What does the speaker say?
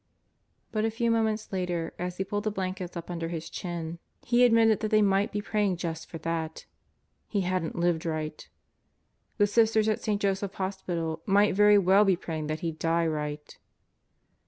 But a few moments later, as he pulled the blankets up under his chin he admitted that they might be praying just for that. He hadn't lived right. The Sisters at St. Joseph's Hospital might very well be praying that he die right.